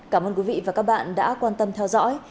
cảm ơn quý vị và các bạn đã quan tâm theo dõi